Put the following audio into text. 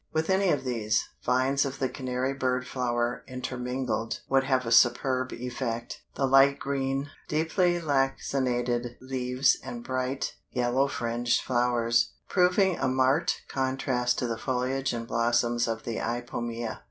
With any of these, vines of the Canary Bird Flower intermingled, would have a superb effect; the light green, deeply lacinated leaves and bright, yellow fringed flowers, proving a marked contrast to the foliage and blossoms of the Ipomea.